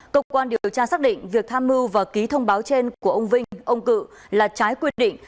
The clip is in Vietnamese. cơ quan điều tra xác định việc tham mưu và ký thông báo trên của ông vinh ông cự là trái quy định